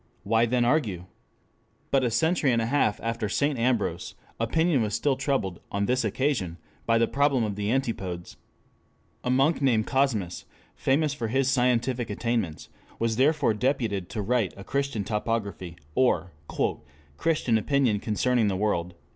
Why then argue? But a century and a half after St. Ambrose, opinion was still troubled, on this occasion by the problem of the antipodes. A monk named Cosmas, famous for his scientific attainments, was therefore deputed to write a Christian Topography, or "Christian Opinion concerning the World."